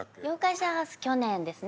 去年ですね。